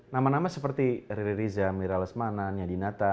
nama nama seperti riri riza mira lesmana nyadi nata